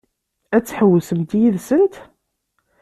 Ad tḥewwsemt yid-sent?